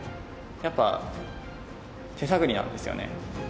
やっぱ手探りなんですよね。